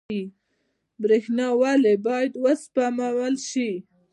برښنا ولې باید وسپمول شي؟